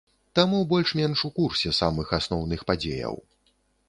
Таму больш-менш у курсе самых асноўных падзеяў.